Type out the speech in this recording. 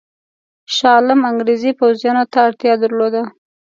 شاه عالم انګرېزي پوځیانو ته اړتیا درلوده.